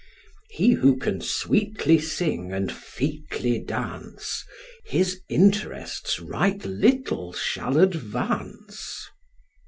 [He who can sweetly sing and featly dance. His interests right little shall advance.